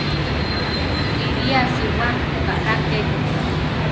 Kilí asiwá kaʼlá keke.